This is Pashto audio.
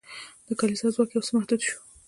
د کلیسا ځواک یو څه محدود شو.